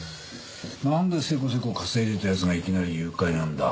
なんでせこせこ稼いでた奴がいきなり誘拐なんだ？